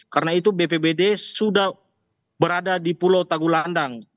karena itu bpbd sudah berada di pulau tagulandang